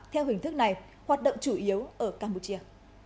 theo hình thức này hoạt động chủ yếu ở campuchia